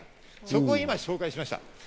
そこを今紹介しました。